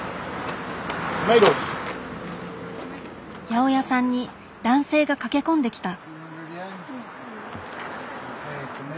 八百屋さんに男性が駆け込んできた。